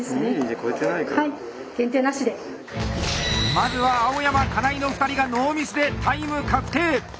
まずは青山金井の２人がノーミスでタイム確定！